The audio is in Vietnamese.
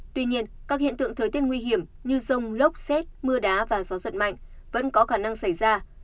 tuy nhiên các hiện tượng thời tiết nguy hiểm như rông lốc xét mưa đá và gió giật mạnh vẫn có khả năng xảy ra